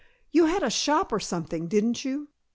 You had a shop or something, didn't you?"